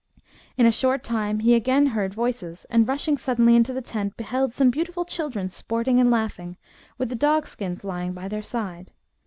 In a short time he again heard voices, and, rushing suddenly into the tent, beheld some beautiful children sporting and laughing, with the dog skins lying by their side.